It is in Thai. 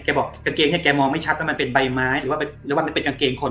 บอกกางเกงเนี่ยแกมองไม่ชัดว่ามันเป็นใบไม้หรือว่าเรียกว่ามันเป็นกางเกงคน